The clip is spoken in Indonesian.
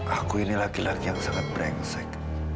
aku ini laki laki yang sangat brengsek